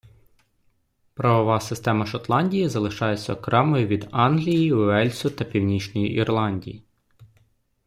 Правова система Шотландії залишається окремою від Англії, Уельсу та Північної Ірландії.